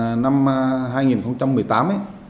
thì hiện nay chúng tôi đang